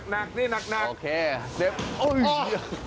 เนี่ยคันนี้